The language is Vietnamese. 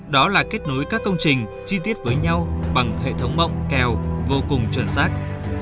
đó là kết nối các công trình chi tiết với nhau bằng hệ thống mộng kèo vô cùng chuẩn xác